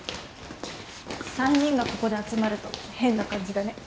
３人がここで集まると変な感じだね。